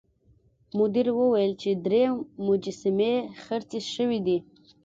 مدیر وویل چې درې مجسمې خرڅې شوې دي.